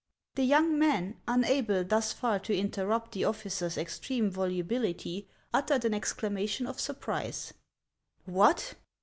The young man, unable thus far to interrupt the officer's extreme volubility, uttered an exclamation of surprise :—" What